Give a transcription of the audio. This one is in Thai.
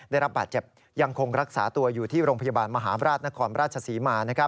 ได้รับบาดเจ็บยังคงรักษาตัวอยู่ที่โรงพยาบาลมหาบราชนครราชศรีมา